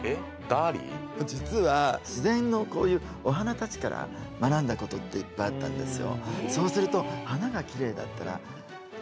実は自然のこういうお花たちから学んだことっていっぱいあったんですよ。